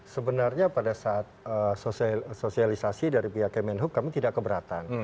sebenarnya pada saat sosialisasi dari pihak kemenhub kami tidak keberatan